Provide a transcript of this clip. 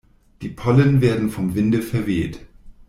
Die Pollen werden vom Winde verweht.